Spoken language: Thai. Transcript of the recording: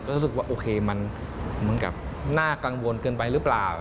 รู้สึกว่าโอเคมันเหมือนกับน่ากังวลเกินไปหรือเปล่า